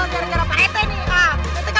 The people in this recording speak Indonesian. gara gara parete nih